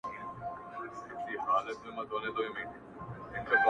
دا عجیبه شاني درد دی، له صیاده تر خیامه،